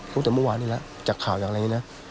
รู้แต่เมื่อวานนี้ละจากข่าวอย่างไรเนี่ยนะ